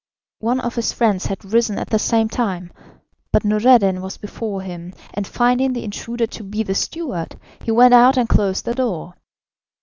One of his friends had risen at the same time, but Noureddin was before him, and finding the intruder to be the steward, he went out and closed the door.